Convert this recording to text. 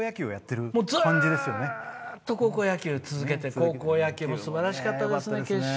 ずっと高校野球続けて高校野球もすばらしかったですね。